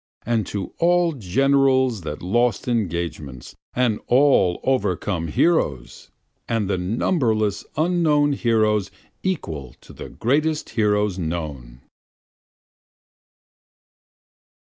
And to all generals that lost engagements, and all overcome heroes! And the numberless unknown heroes equal to the greatest heroes known!